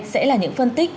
sẽ là những phân tích